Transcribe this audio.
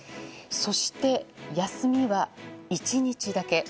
そして休みは１日だけ。